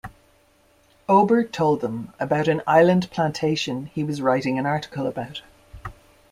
Ober told them about an island plantation he was writing an article about.